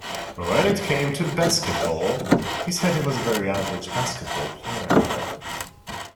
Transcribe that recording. When it came to basketball, he said he was a very average basketball player.